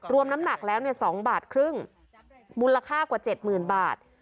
รวมน้ำหนักแล้วเนี้ยสองบาทครึ่งมูลค่ากว่าเจ็ดหมื่นบาท